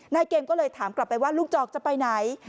นายเกมก็เลยถามกลับไปว่าลูกจอกจะไปไหน